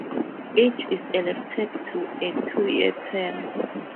Each is elected to a two-year term.